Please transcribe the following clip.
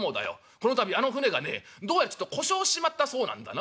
この度あの船がねどうやらちょっと故障しちまったそうなんだな。